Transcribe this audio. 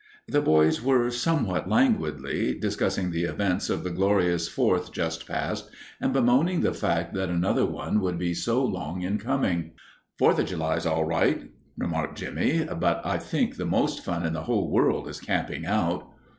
The boys were somewhat languidly discussing the events of the Glorious Fourth just past, and bemoaning the fact that another one would be so long in coming. "Fourth o' July's all right," remarked Jimmie, "but I think the most fun in the whole world is camping out."